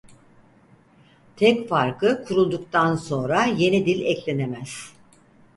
Tek farkı kurulduktan sonra Yeni dil eklenemez.